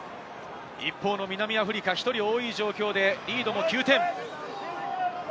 一方の南アフリカは１人多い状況でリードは９点。